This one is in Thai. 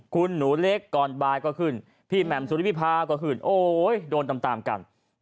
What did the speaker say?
คุณหนูเล็กก่อนบ่ายก็ขึ้นพี่แหม่มสุริพิพาก็ขึ้นโอ๊ยโดนตามกัน